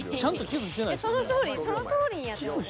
［そのとおりそのとおりにやってます］